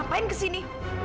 ngapain ke sini